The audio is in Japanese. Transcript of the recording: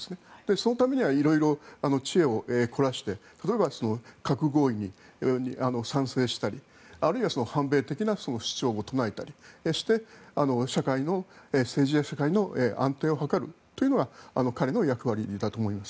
そのためには色々知恵を凝らして例えば核合意に賛成したりあるいは反米的な主張を唱えたりして政治や社会の安定を図るというのが彼の役割だと思います。